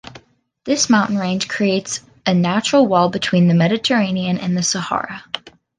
This mountain range creates a natural wall between the Mediterranean and the Sahara.